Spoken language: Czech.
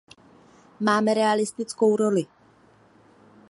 Máme realistickou roli.